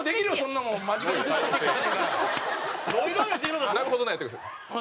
「なるほどな」やってください。